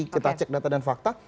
kita cek data dan fakta